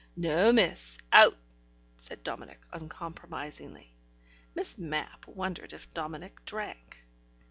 "No, miss; out," said Dominic uncompromisingly. (Miss Mapp wondered if Dominic drank.)